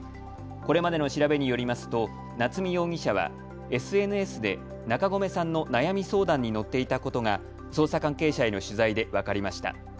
これまでの調べによりますと夏見容疑者はＳＮＳで中込さんの悩み相談に乗っていたことが捜査関係者への取材で分かりました。